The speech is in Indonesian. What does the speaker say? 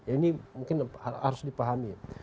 ini mungkin harus dipahami